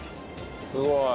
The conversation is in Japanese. すごい！